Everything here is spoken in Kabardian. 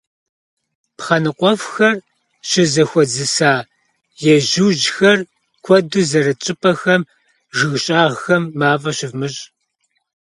Пхъэ ныкъуэфхэр щызэхуэдзыса, ежьужьхэр куэду зэрыт щӀыпӀэхэм, жыг щӀагъхэм мафӀэ щывмыщӀ.